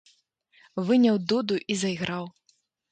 Выняў дуду і зайграў.